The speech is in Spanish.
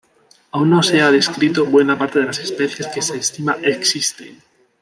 Aún no se han descrito buena parte de las especies que se estima existen.